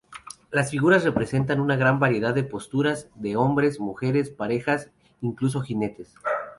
Las figuras representan una gran variedad de posturas, de hombres, mujeres, parejas, incluso jinetes.